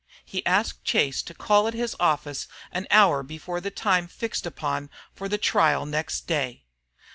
He asked Chase to call at his office an hour before the time fixed upon for the trial next day.